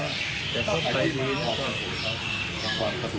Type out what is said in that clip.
แต่เขาไปดีนะครับ